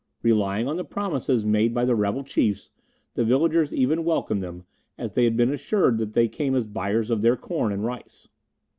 Relying on the promises made by the rebel chiefs, the villagers even welcomed them, as they had been assured that they came as buyers of their corn and rice.